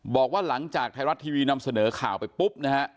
บอกว่าหลังจากไทยรัฐทีวีนำเสนอข่าวไปปุ๊บนะฮะ